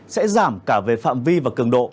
sẽ giảm cả về phạm vi và cường độ